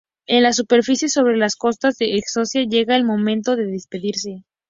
En la superficie, sobre las costas de Escocia, llega el momento de despedirse.